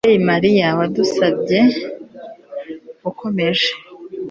mubyeyi mariya, wadusabye ukomeje